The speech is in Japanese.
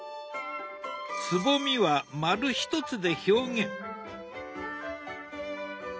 つぼみは丸ひとつで表現。